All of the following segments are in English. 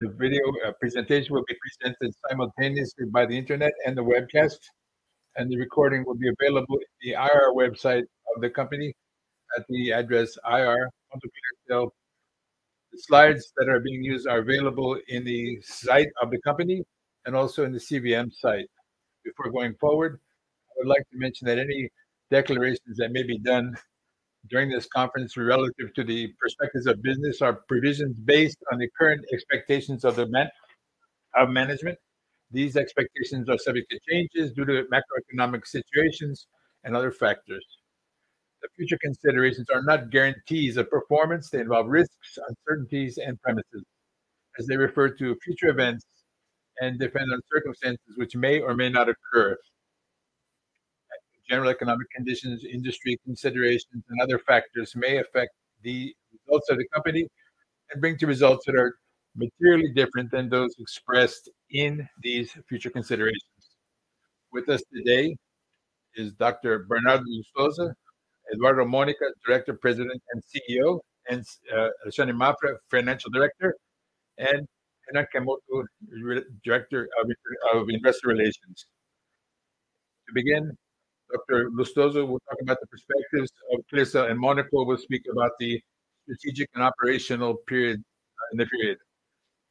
The video presentation will be presented simultaneously by the internet and the webcast. The recording will be available in the IR website of the company at the address IR ClearSale. The slides that are being used are available in the site of the company and also in the CVM site. Before going forward, I would like to mention that any declarations that may be done during this conference relative to the perspectives of business are provisions based on the current expectations of the management. These expectations are subject to changes due to macroeconomic situations and other factors. The future considerations are not guarantees of performance. They involve risks, uncertainties and premises as they refer to future events and depend on circumstances which may or may not occur. General economic conditions, industry considerations and other factors may affect the results of the company and bring to results that are materially different than those expressed in these future considerations. With us today is Dr. Bernardo Lustosa, Eduardo Mônaco, Director, President, and CEO, Alexandre Mafra, Financial Director, and Renan Ikemoto, Director of Investor Relations. To begin, Dr. Lustosa will talk about the perspectives of ClearSale, and Mônaco will speak about the strategic and operational period.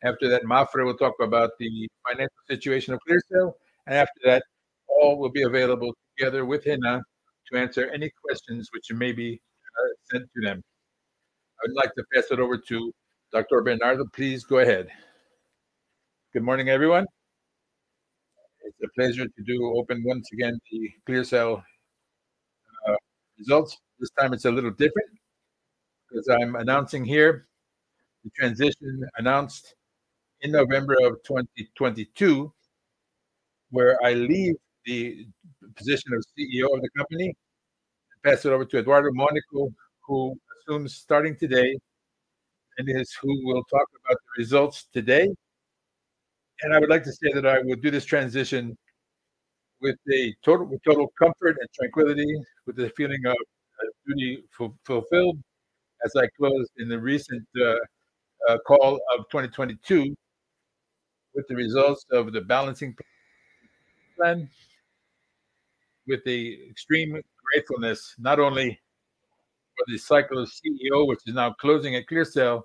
After that, Mafra will talk about the financial situation of ClearSale. After that, all will be available together with Renan to answer any questions which may be sent to them. I would like to pass it over to Dr. Bernardo. Please go ahead. Good morning, everyone. It's a pleasure to do open once again the ClearSale results. This time it's a little different 'cause I'm announcing here the transition announced in November 2022, where I leave the position of CEO of the company and pass it over to Eduardo Mônaco, who assumes starting today and is who will talk about the results today. I would like to say that I will do this transition with a total comfort and tranquility, with a feeling of a duty fulfilled as I closed in the recent call of 2022 with the results of the balancing plan with a extreme gratefulness, not only for the cycle of CEO, which is now closing at ClearSale,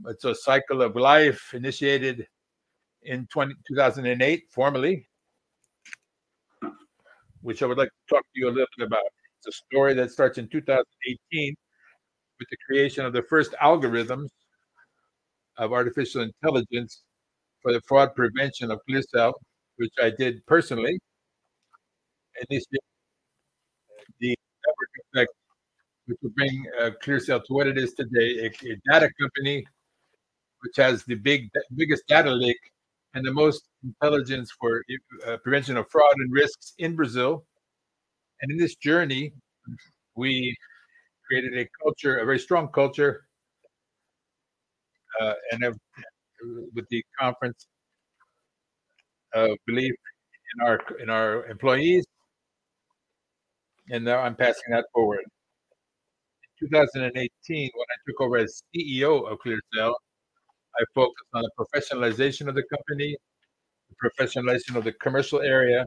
but a cycle of life initiated in 2008 formally, which I would like to talk to you a little bit about. It's a story that starts in 2018 with the creation of the first algorithms of artificial intelligence for the fraud prevention of ClearSale, which I did personally. This being the network effect which will bring ClearSale to what it is today, a data company which has the biggest data lake and the most intelligence for prevention of fraud and risks in Brazil. In this journey, we created a culture, a very strong culture, and with the confidence, belief in our, in our employees, and now I'm passing that forward. In 2018, when I took over as CEO of ClearSale, I focused on the professionalization of the company, the professionalization of the commercial area,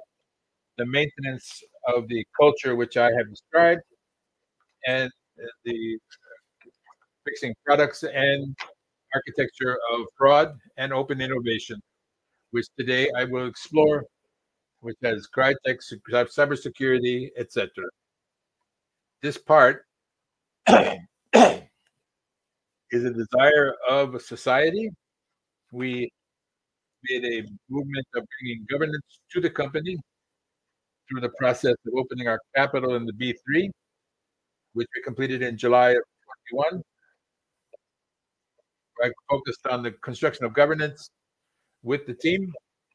the maintenance of the culture which I have described, and the fixing products and architecture of fraud and open innovation, which today I will explore, which has Cryptex, Cybersecurity, et cetera. This part is a desire of a society. We made a movement of bringing governance to the company through the process of opening our capital in the B3, which we completed in July of 2021, where I focused on the construction of governance with the team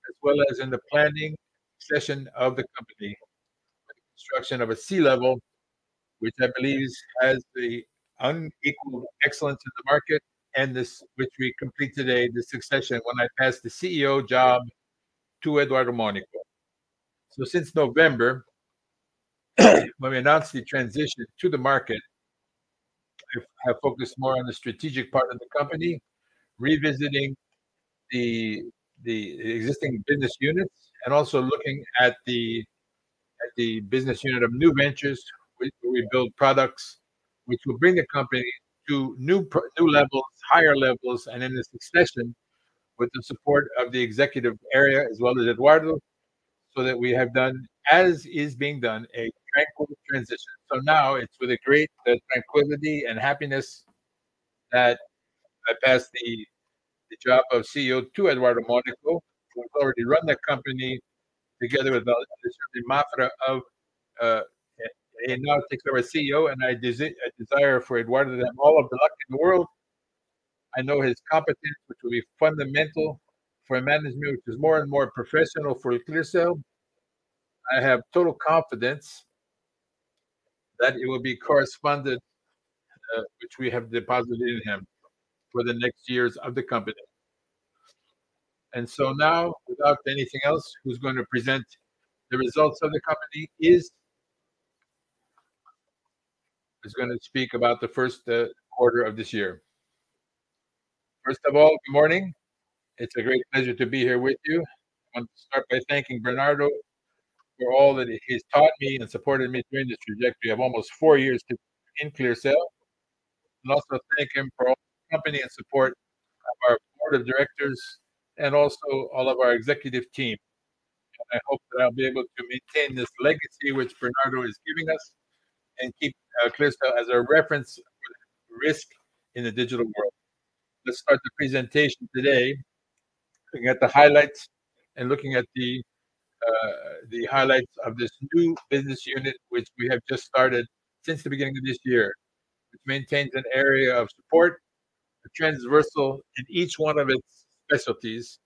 as well as in the planning session of the company. The construction of a C-level, which I believe has the unequaled excellence in the market, and this, which we complete today the succession when I pass the CEO job to Eduardo Mônaco. Since November, when we announced the transition to the market, I have focused more on the strategic part of the company, revisiting the existing business units and also looking at the business unit of new ventures where we build products which will bring the company to new levels, higher levels, and in the succession with the support of the executive area as well as Eduardo, so that we have done, as is being done, a tranquil transition. Now it's with a great tranquility and happiness that I pass the job of CEO to Eduardo Mônaco, who has already run the company together with Alexandre Mafra of. He now takes over as CEO, and I desire for Eduardo to have all of the luck in the world. I know his competence, which will be fundamental for a management which is more and more professional for ClearSale. I have total confidence that it will be corresponded, which we have deposited in him for the next years of the company. Now, without anything else, who's going to present the results of the company is going to speak about the first quarter of this year. First of all, good morning. It's a great pleasure to be here with you. I want to start by thanking Bernardo for all that he's taught me and supported me during this trajectory of almost four years in ClearSale, and also thank him for all the company and support of our board of directors and also all of our executive team. I hope that I'll be able to maintain this legacy which Bernardo is giving us and keep ClearSale as a reference for risk in the digital world. Let's start the presentation today looking at the highlights and looking at the highlights of this new business unit which we have just started since the beginning of this year, which maintains an area of support, a transversal in each one of its specialties,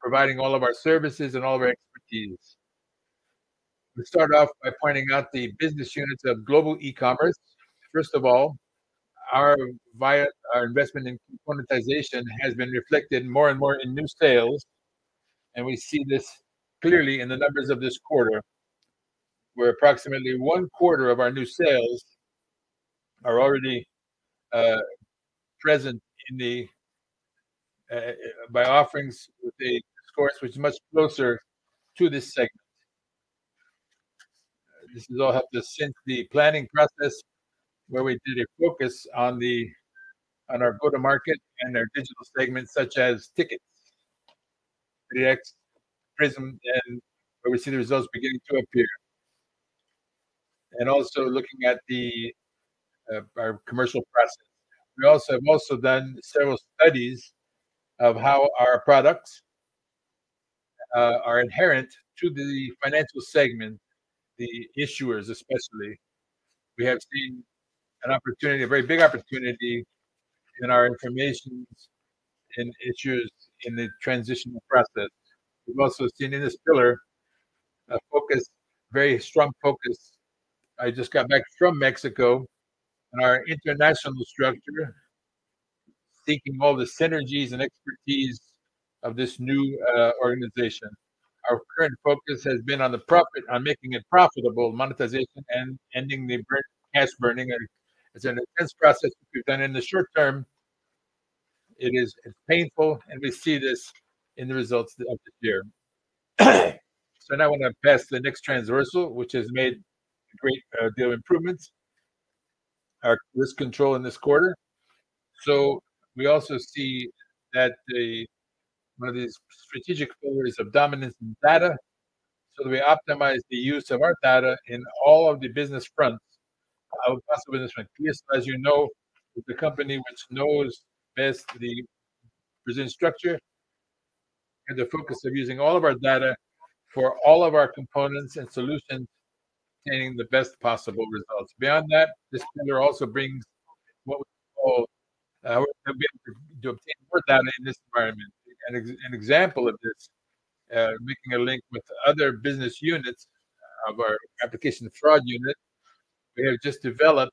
providing all of our services and all of our expertise. Let's start off by pointing out the business units of global e-commerce. First of all, our investment in monetization has been reflected more and more in new sales. We see this clearly in the numbers of this quarter, where approximately one quarter of our new sales are already present in the by offerings with a score which is much closer to this segment. This has all helped us since the planning process where we did a focus on our go-to-market and our digital segments such as Tickets, 3x Prism, and where we see the results beginning to appear. Also looking at our commercial presence. We also have done several studies of how our products are inherent to the financial segment, the issuers especially. We have seen an opportunity, a very big opportunity in our informations and issuers in the transitional process. We've also seen in this pillar a focus, very strong focus. I just got back from Mexico and our international structure, seeking all the synergies and expertise of this new organization. Our current focus has been on making it profitable, monetization and ending the cash burning. It's an intense process we've done in the short term. It is painful, and we see this in the results of this year. Now I want to pass to the next transversal, which has made a great deal of improvements, our risk control in this quarter. We also see that the one of the strategic pillars of dominance in data, so that we optimize the use of our data in all of the business fronts, our possible business fronts. ClearSale, as you know, is the company which knows best the present structure and the focus of using all of our data for all of our components and solutions, obtaining the best possible results. Beyond that, this pillar also brings what we call to obtain more data in this environment. An example of this, making a link with other business units of our application fraud unit, we have just developed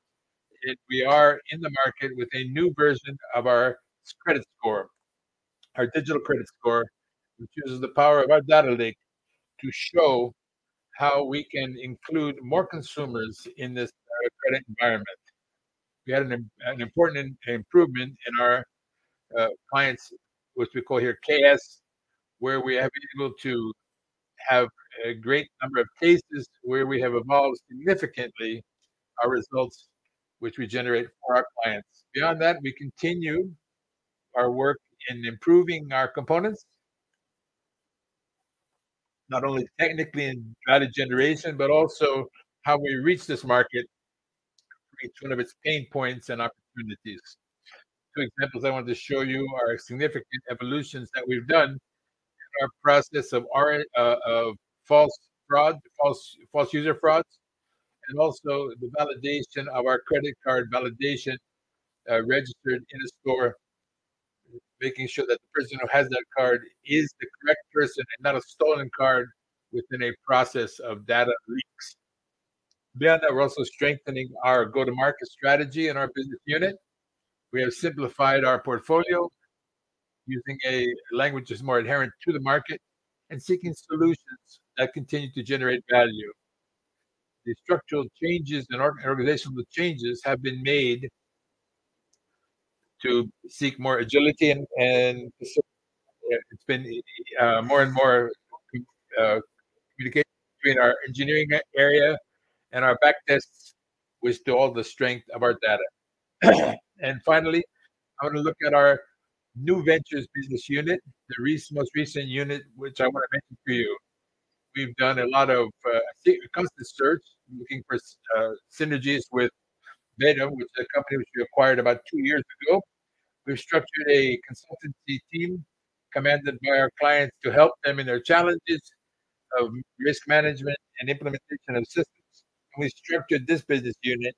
it. We are in the market with a constant version of our credit score, our digital credit score, which uses the power of our data lake to show how we can include more consumers in this data credit environment. We had an important improvement in our clients, which we call here KS, where we have been able to have a great number of cases where we have evolved significantly our results which we generate for our clients. Beyond that, we continue our work in improving our components, not only technically in data generation, but also how we reach this market to create one of its pain points and opportunities. Two examples I wanted to show you are significant evolutions that we've done in our process of false fraud, false user frauds, and also the validation of our credit card validation registered in a store, making sure that the person who has that card is the correct person and not a stolen card within a process of data leaks. Beyond that, we're also strengthening our go-to-market strategy in our business unit. We have simplified our portfolio using a language that's more inherent to the market and seeking solutions that continue to generate value. The structural changes and organizational changes have been made to seek more agility and it's been more and more communication between our engineering area and our back tests with all the strength of our data. Finally, I want to look at our new ventures business unit, the most recent unit, which I want to mention for you. We've done a lot of constant search looking for synergies with Beta, which is a company which we acquired about two years ago. We've structured a consultancy team commanded by our clients to help them in their challenges of risk management and implementation of systems. We structured this business unit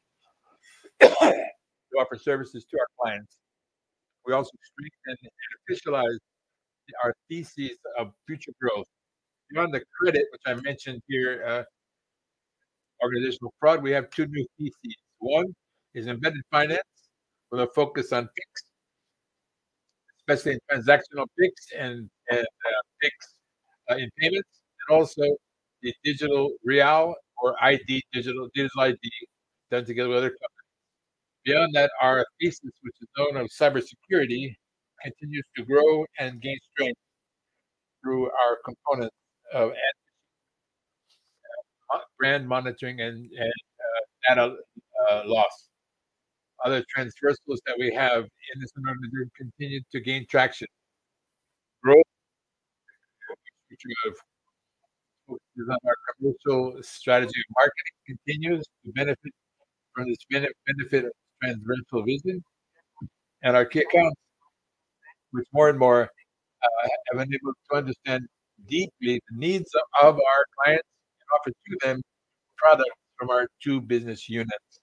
to offer services to our clients. We also strengthened and officialized our theses of future growth. Beyond the credit, which I mentioned here, organizational fraud, we have two new theses. One is embedded finance with a focus on fixed, especially in transactional picks and picks in payments, and also the Digital Real or RD, digital RD done together with other companies. Beyond that, our thesis, which is known as cybersecurity, continues to grow and gain strength through our components of brand monitoring and data loss. Other transversals that we have in this environment group continue to gain traction. Growth, which we have, which is on our commercial strategy marketing continues to benefit from this benefit of transversal vision. Our key accounts, which more and more have enabled to understand deeply the needs of our clients and offer to them products from our two business units.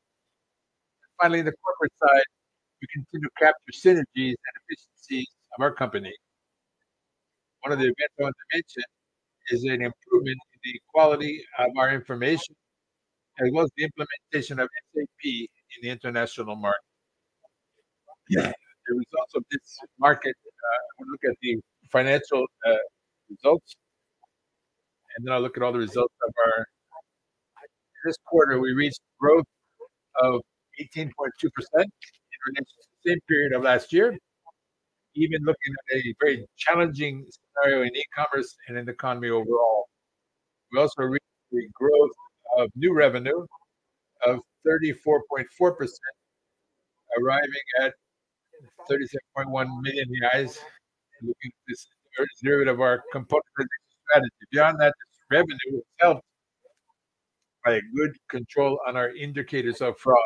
Finally, the corporate side, we continue to capture synergies and efficiencies of our company. One of the events I want to mention is an improvement in the quality of our information, as well as the implementation of SAP in the international market. The results of this market, when we look at the financial results, this quarter, we reached growth of 18.2% in relation to the same period of last year, even looking at a very challenging scenario in e-commerce and in the economy overall. We also reached the growth of new revenue of 34.4%, arriving at 37.1 million reais, looking at this derivative of our component strategy. This revenue itself by a good control on our indicators of fraud.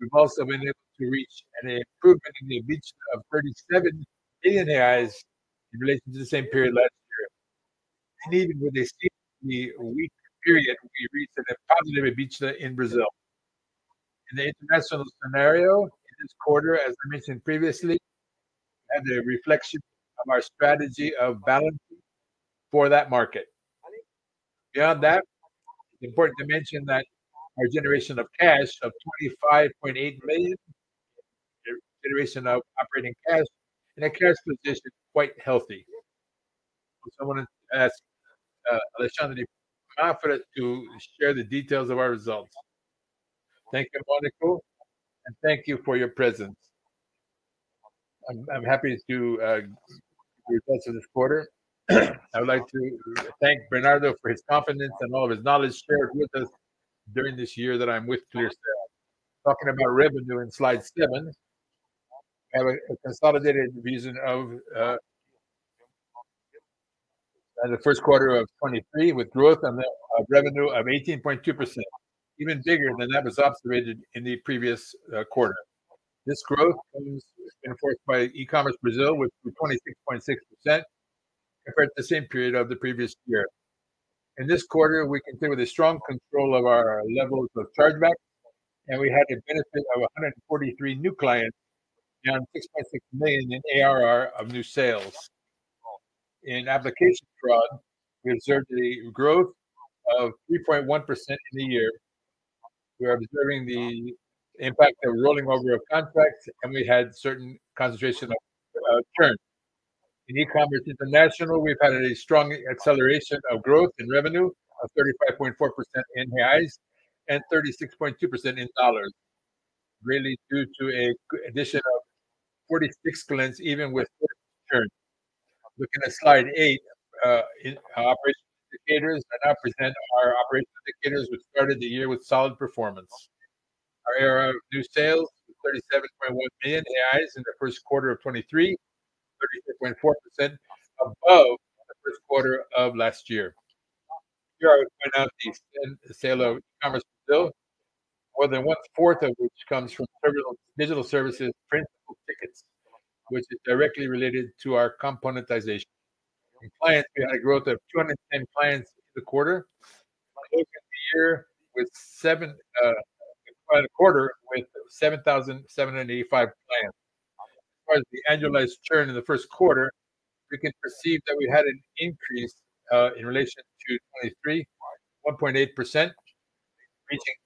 We've also been able to reach an improvement in the EBITDA of 37 billion reais in relation to the same period last year. Even with a significantly weaker period, we reached a positive EBITDA in Brazil. In the international scenario, in this quarter, as I mentioned previously, had a reflection of our strategy of balancing for that market. Beyond that, it's important to mention that our generation of cash of 25.8 million, generation of operating cash in a cash position quite healthy. I want to ask Alexandre is confident to share the details of our results. Thank you, Mônaco, and thank you for your presence. I'm happy to give you results for this quarter. I would like to thank Bernardo for his confidence and all of his knowledge shared with us during this year that I'm with ClearSale. Talking about revenue in slide seven, have a consolidated vision of the first quarter of 2023 with growth of revenue of 18.2%, even bigger than that was observed in the previous quarter. In this quarter, we continued with a strong control of our levels of chargebacks, and we had the benefit of 143 new clients and 6.6 million in ARR of new sales. In application fraud, we observed a growth of 3.1% in the year. We are observing the impact of rolling over of contracts, and we had certain concentration of churn. In e-commerce international, we've had a strong acceleration of growth in revenue of 35.4% in BRL and 36.2% in dollars, really due to a addition of 46 clients even with churn. Looking at slide eight, operational indicators that represent our operational indicators, which started the year with solid performance. Our ARR of new sales was 37.1 billion reais in the first quarter of 2023, 36.4% above the first quarter of last year. Here I would point out the sale of E-commerce Brazil, more than 1/4 of which comes from several digital services principal Tickets, which is directly related to our componentization. From clients, we had a growth of 210 clients in the quarter. The quarter with 7,785 clients. As far as the annualized churn in the first quarter, we can perceive that we had an increase in relation to 2023, 1.8%, reaching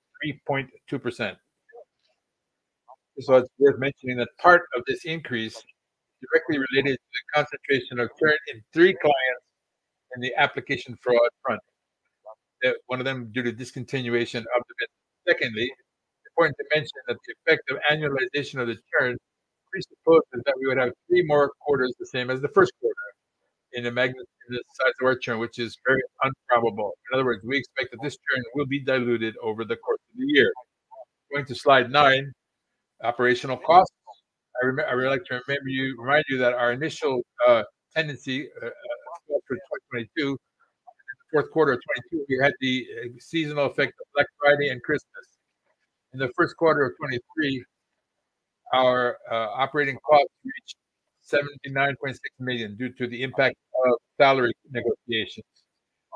3.2%. This was worth mentioning that part of this increase directly related to the concentration of churn in three clients in the application fraud front. One of them due to discontinuation of the business. Secondly, it's important to mention that the effect of annualization of the churn presupposes that we would have three more quarters the same as the first quarter in the magnitude and the size of our churn, which is very improbable. In other words, we expect that this churn will be diluted over the course of the year. Going to slide nine, operational costs. I would like to remind you that our initial tendency through 2022, in the fourth quarter of 2022, we had the seasonal effect of Black Friday and Christmas. In the first quarter of 2023, our operating costs reached 79.6 million due to the impact of salary negotiations.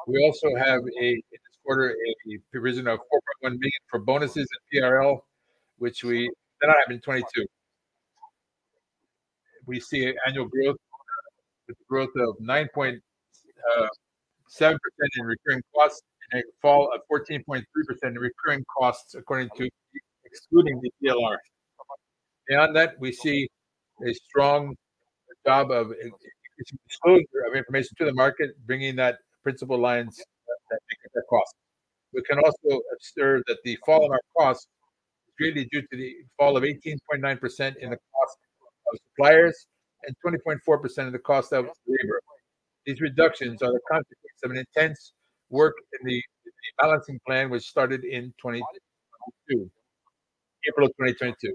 We also have in this quarter a provision of 4.1 million for bonuses and PRL, which we did not have in 2022. We see annual growth of 9.7% in recurring costs and a fall of 14.3% in recurring costs excluding the PLRs. Beyond that, we see a strong job of exposure of information to the market, bringing that principal lines that make up the cost. We can also observe that the fall in our costs is really due to the fall of 18.9% in the cost of suppliers and 20.4% of the cost of labor. These reductions are the consequence of an intense work in the balancing plan, which started in 2022, April of 2022.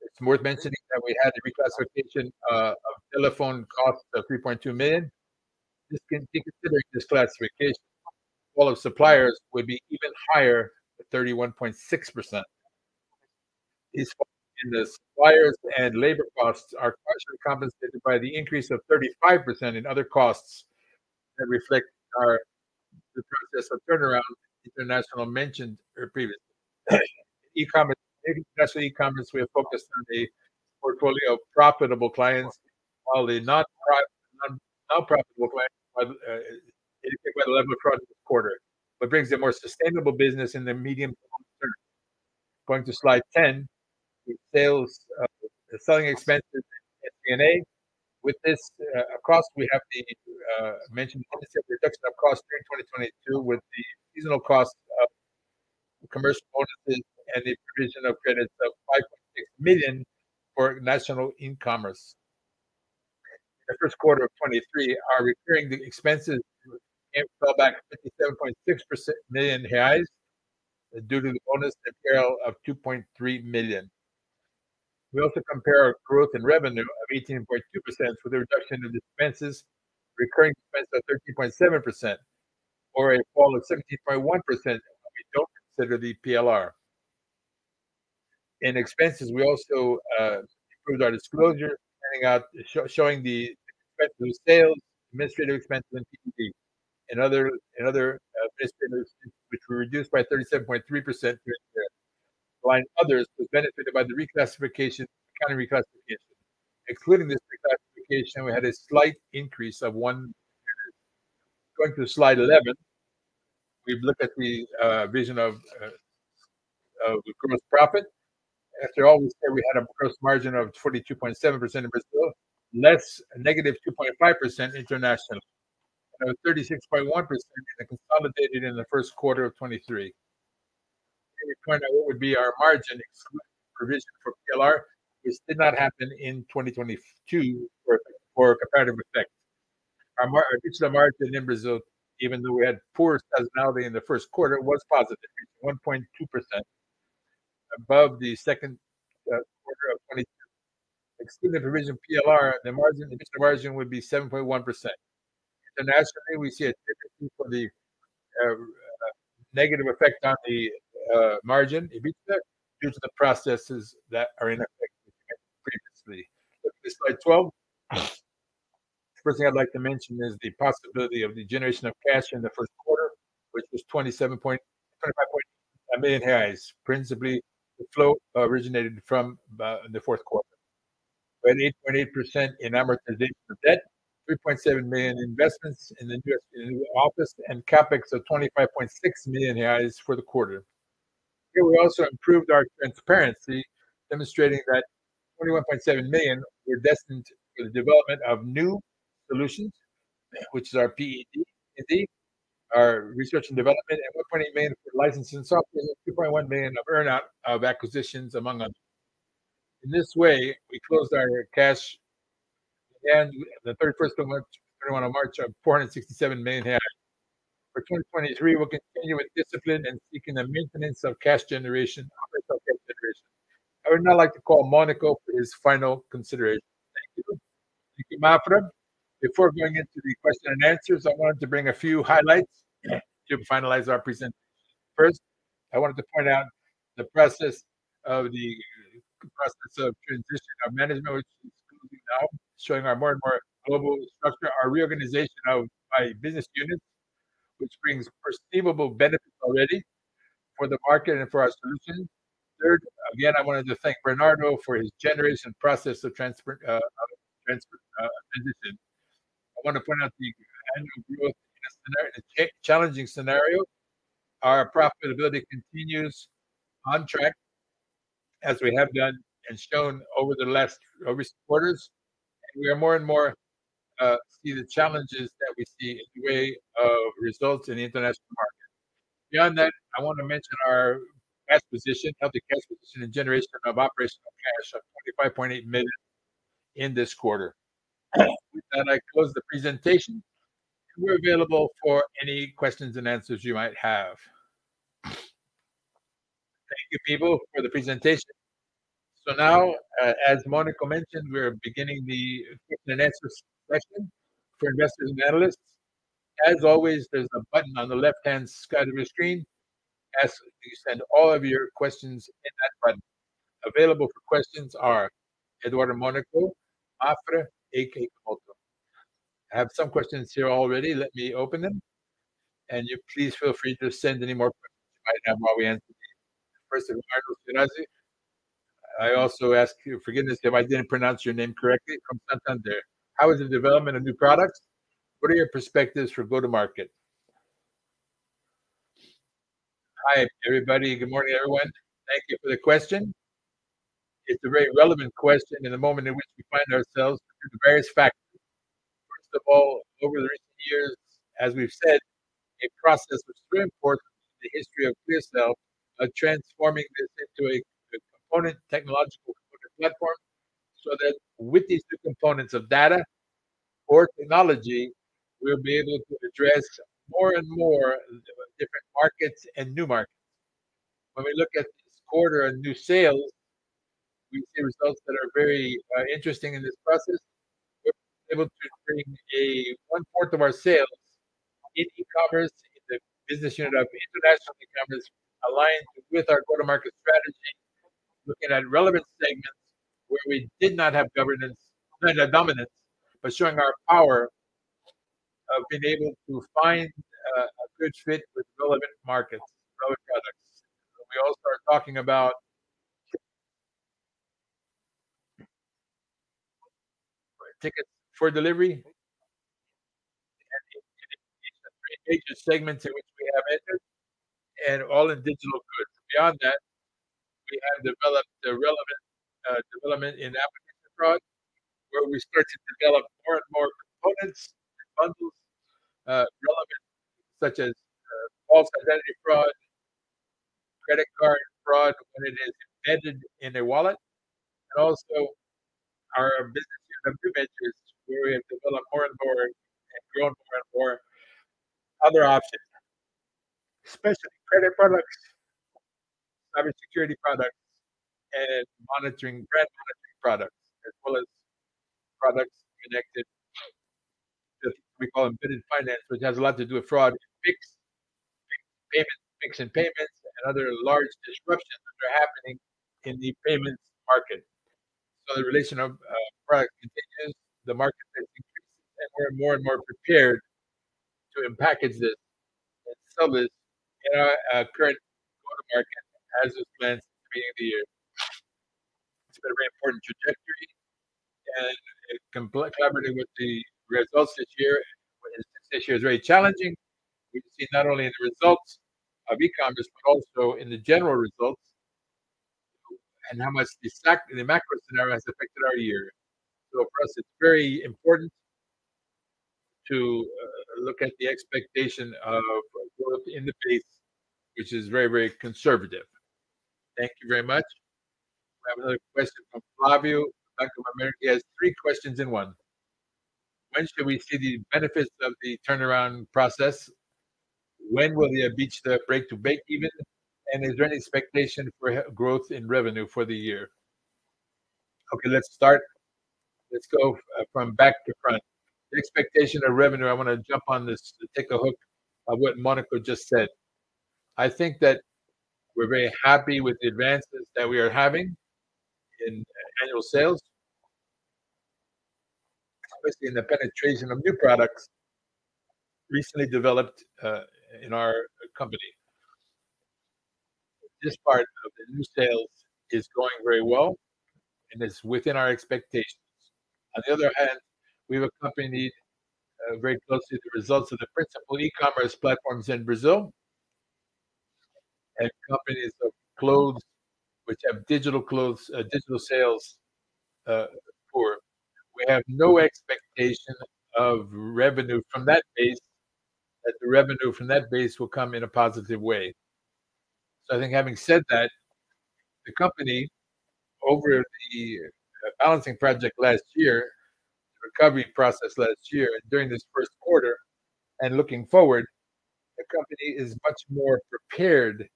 It's worth mentioning that we had the reclassification of telephone costs of 3.2 million. Just considering this classification, the fall of suppliers would be even higher at 31.6%. These falls in the suppliers and labor costs are partially compensated by the increase of 35% in other costs that reflect the process of turnaround International mentioned previously. E-commerce, maybe especially e-commerce, we have focused on the portfolio of profitable clients, while the not profitable clients are indicated by the level of profit this quarter, brings a more sustainable business in the medium to long term. Going to slide 10, with sales, selling expenses and G&A. With this cost, we have the mentioned policy of reduction of costs during 2022 with the seasonal cost of commercial bonuses and the provision of credits of 5.6 million for national e-commerce. In the first quarter of 2023, our recurring expenses fell back BRL 57.6% million due to the bonus and peril of 2.3 million. We also compare our growth in revenue of 18.2% with a reduction in expenses, recurring expenses of 13.7%, or a fall of 17.1% if we don't consider the PLR. In expenses, we also improved our disclosure, showing the expenses of sales, administrative expenses, and P&D and other miscellaneous expenses which were reduced by 37.3% during the year. Line others was benefited by the reclassification, accounting reclassification. Excluding this reclassification, we had a slight increase of 1%. Going to slide 11, we've looked at the vision of the gross profit. After all, we said we had a gross margin of 42.7% in Brazil, less a -2.5% internationally, and a 36.1% in the consolidated in the first quarter of 2023. Let me point out what would be our margin excluding the provision for PLR, which did not happen in 2022 for comparative effect. Our EBITDA margin in Brazil, even though we had poor seasonality in the first quarter, was positive, reaching 1.2% above the second quarter of 22. Excluding the provision PLR, the EBITDA margin would be 7.1%. Internationally, we see a tendency for the negative effect on the margin, EBITDA, due to the processes that are in effect previously. Looking at slide 12, the first thing I'd like to mention is the possibility of the generation of cash in the first quarter, which was 25.8 million. Principally, the flow originated from the fourth quarter. We had 8.8% in amortization of debt, 3.7 million in investments in the new office, and CapEx of 25.6 million reais for the quarter. Here, we also improved our transparency, demonstrating that 21.7 million were destined for the development of new solutions, which is our P&D, our research and development, and 1.8 million for licenses and software, and 2.1 million of earn-out of acquisitions among others. In this way, we closed our cash again the 31st of March of 467 million. For 2023, we'll continue with discipline and seeking the maintenance of cash generation, operational cash generation. I would now like to call Mônaco for his final considerations. Thank you. Thank you, Mafra. Before going into the question and answers, I wanted to bring a few highlights to finalize our presentation. First, I wanted to point out the process of transition of management, which is concluding now, showing our more and more global structure, our reorganization by business units, which brings perceivable benefits already for the market and for our solutions. Third, again, I wanted to thank Bernardo for his generous and process of transfer of transition. I want to point out the annual growth in a challenging scenario. Our profitability continues on track as we have done and shown over the last recent quarters. We are more and more see the challenges that we see in the way of results in the international market. Beyond that, I want to mention our cash position, healthy cash position and generation of operational cash of 25.8 million in this quarter. With that, I close the presentation. We're available for any questions and answers you might have. Thank you, people, for the presentation. Now, as Mônaco mentioned, we're beginning the question and answer session for investors and analysts. As always, there's a button on the left-hand side of your screen. Please send all of your questions in that button. Available for questions are Eduardo Mônaco, Mafra, Ikemoto. I have some questions here already. Let me open them. You please feel free to send any more questions you might have while we answer these. First is Michel Spinelli. I also ask you forgiveness if I didn't pronounce your name correctly from Santander. How is the development of new products? What are your perspectives for go-to-market? Hi, everybody. Good morning, everyone. Thank you for the question. It's a very relevant question in the moment in which we find ourselves due to various factors. First of all, over the recent years, as we've said, a process was very important in the history of ClearSale of transforming this into a component technological component platform so that with these two components of data or technology, we'll be able to address more and more different markets and new markets. We look at this quarter and new sales, we see results that are very interesting in this process. We're able to bring a one-fourth of our sales in e-commerce in the business unit of international e-commerce aligned with our go-to-market strategy, looking at relevant segments where we did not have governance, not dominance, but showing our power of being able to find a good fit with relevant markets, relevant products. We all start talking about Tickets for delivery. We have these three major segments in which we have entered and all in digital goods. Beyond that, we have developed a relevant development in application fraud, where we start to develop more and more components and bundles relevant, such as false identity fraud, credit card fraud when it is embedded in a wallet, and also our business unit of new ventures where we have developed more and more and grown more and more other options, especially credit products, cybersecurity products, and threat monitoring products, as well as products connected to what we call embedded finance, which has a lot to do with fraud, fixed payments, fixing payments, and other large disruptions that are happening in the payments market. The relation of product continues, the market is increasing, and we're more and more prepared to package this and sell this in our current go-to-market as was planned at the beginning of the year. It's been a very important trajectory, collaborating with the results this year is very challenging. We can see not only in the results of e-commerce, but also in the general results and how much the macro scenario has affected our year. For us, it's very important to look at the expectation of growth in the base, which is very, very conservative. Thank you very much. We have another question from Flavio, Bank of America has three questions in one. When should we see the benefits of the turnaround process? When will they have reached the break to break even? Is there any expectation for growth in revenue for the year? Okay, let's start. Let's go from back to front. The expectation of revenue, I want to jump on this to take a hook of what Mônaco just said. I think that we're very happy with the advances that we are having in annual sales, especially in the penetration of new products recently developed in our company. This part of the new sales is going very well, and it's within our expectations. We have a company very closely to the results of the principal e-commerce platforms in Brazil and companies of clothes which have digital sales for. We have no expectation of revenue from that base, that the revenue from that base will come in a positive way. I think having said that, the company over the balancing project last year, the recovery process last year during this first quarter and looking forward, the company is much more prepared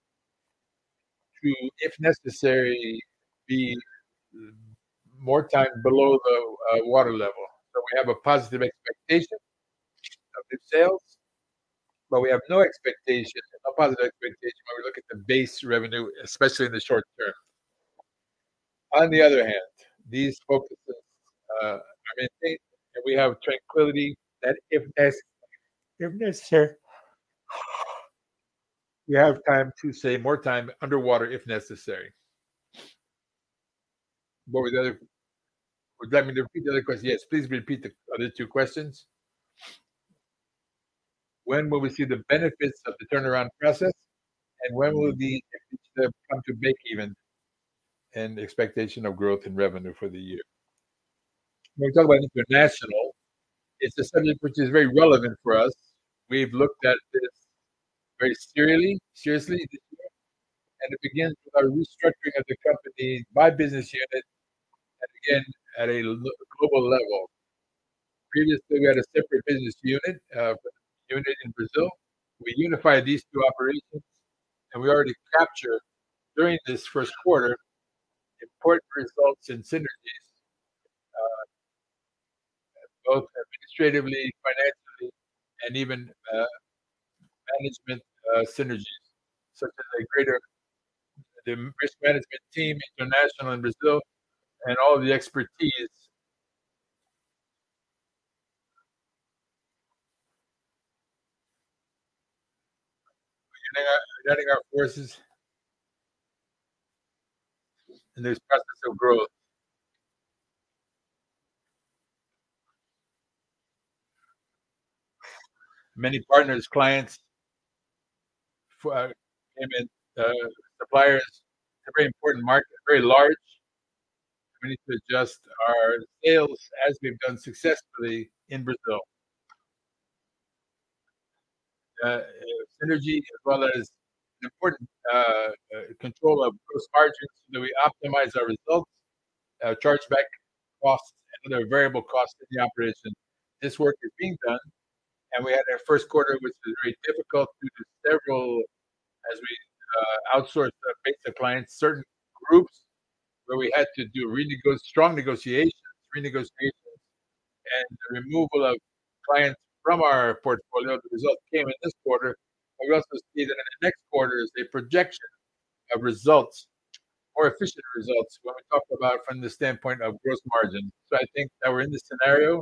to, if necessary, be more time below the water level. We have a positive expectation of new sales, but we have no expectation, no positive expectation when we look at the base revenue, especially in the short term. On the other hand, these focuses are maintained, and we have tranquility that if necessary, we have time to say more time underwater if necessary. What was the other? Would you like me to repeat the other question? Yes, please repeat the other two questions. When will we see the benefits of the turnaround process, and when will the come to break even and expectation of growth in revenue for the year? When we talk about international, it's a subject which is very relevant for us. We've looked at this very seriously this year, and it begins with our restructuring of the company by business unit and again at a global level. Previously, we had a separate business unit in Brazil. We unified these two operations, we already captured during this first quarter important results in synergies, both administratively, financially, and even management synergies, such as a greater risk management team international and Brazil and all of the expertise. Letting our forces in this process of growth. Many partners, clients, suppliers, a very important market, very large. We need to adjust our sales as we've done successfully in Brazil. Synergy as well as an important control of gross margins so that we optimize our results, chargeback costs and other variable costs in the operation. This work is being done. We had our first quarter, which was very difficult due to several as we outsourced our base of clients, certain groups where we had to do really good, strong negotiations, renegotiations, and the removal of clients from our portfolio. The result came in this quarter. We also see that in the next quarter is a projection of results, more efficient results when we talk about from the standpoint of gross margin. I think that we're in this scenario.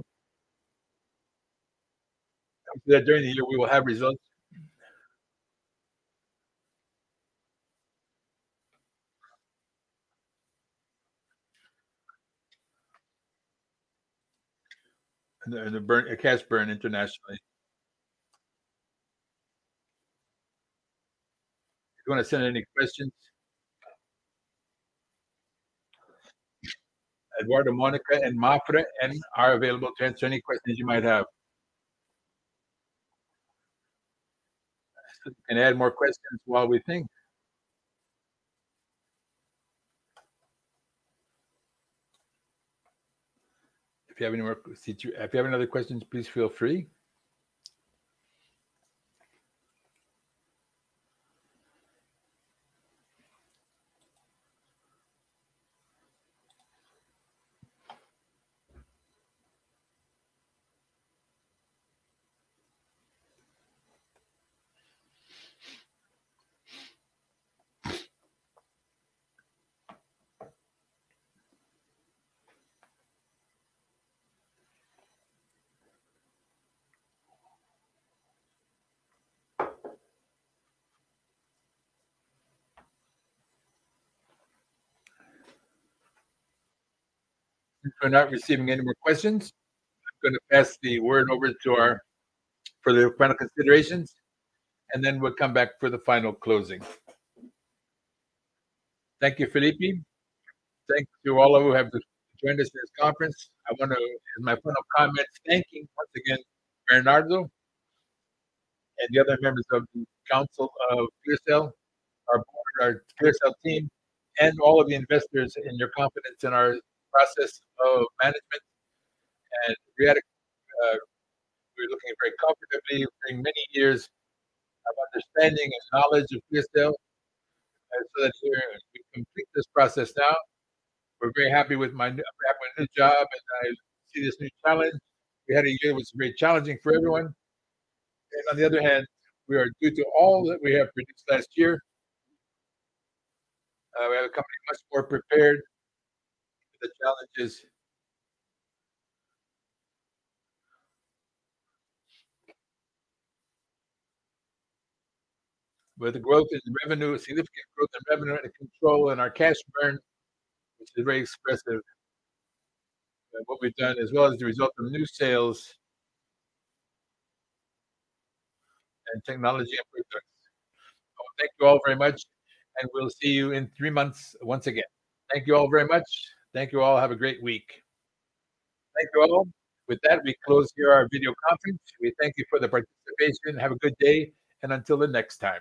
After that during the year, we will have results. A cash burn internationally. If you wanna send any questions. Eduardo Mônaco and Alexandre Mafra are available to answer any questions you might have. You can add more questions while we think. If you have any other questions, please feel free. We're not receiving any more questions. I'm gonna pass the word over for the final considerations, and then we'll come back for the final closing. Thank you, Felipe. Thank you all who have joined us in this conference. I want to, in my final comments, thank you once again, Bernardo, and the other members of the Council of ClearSale, our board, our ClearSale team, and all of the investors in your confidence in our process of management. We're looking very confidently during many years of understanding and knowledge of ClearSale, and so that we complete this process now. We're very happy with I've got my new job, and I see this new challenge. We had a year which was very challenging for everyone. On the other hand, we are due to all that we have produced last year, we have a company much more prepared for the challenges. The growth in revenue, significant growth in revenue and control in our cash burn, which is very expressive of what we've done, as well as the result of new sales and technology improvements. Thank you all very much, and we'll see you in three months once again. Thank you all very much. Thank you all. Have a great week. Thank you all. With that, we close here our video conference. We thank you for the participation. Have a good day, and until the next time.